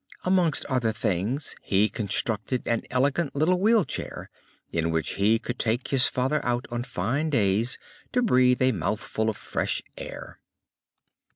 Amongst other things he constructed an elegant little wheel chair, in which he could take his father out on fine days to breathe a mouthful of fresh air.